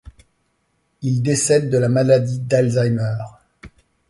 Il décède de la maladie d'Alzheimer.